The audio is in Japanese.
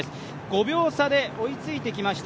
５秒差で追いついてきました